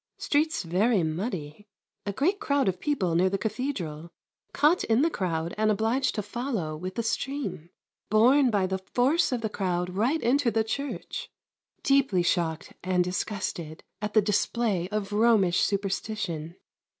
Streets very muddy. A great crowd of people near the Cathedral. Caught in the crowd and obliged to follow with the stream. Borne by the force of the crowd right into the church. Deeply shocked and disgusted at the display of Romish superstition.